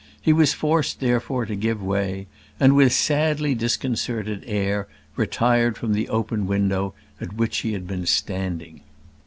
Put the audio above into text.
He was forced, therefore, to give way, and with sadly disconcerted air retired from the open window at which he had been standing.